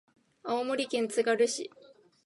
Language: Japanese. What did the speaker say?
青森県つがる市